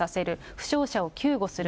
負傷者を救護する。